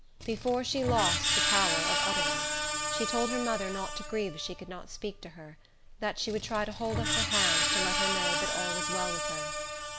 Before she lost the power of utterance, she told her mother not to grieve if she could not speak to her; that she would try to hold up her hand; to let her know that all was well with her.